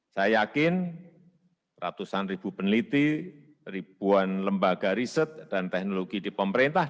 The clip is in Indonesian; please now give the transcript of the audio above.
saya yakin ratusan ribu peneliti ribuan lembaga riset dan teknologi di pemerintah